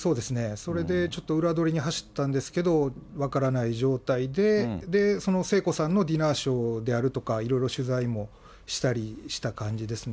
それでちょっと裏取りに走ったんですけど、分からない状態で、で、その聖子さんのディナーショーであるとか、いろいろ取材もしたりした感じですね。